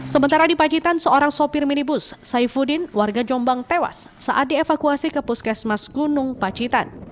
sementara di pacitan seorang sopir minibus saifuddin warga jombang tewas saat dievakuasi ke puskesmas gunung pacitan